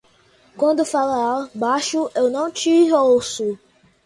Quando falas baixo eu não te ouço.